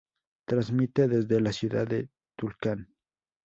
Transmite desde la ciudad de Tulcán.